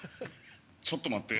ちょっと待って。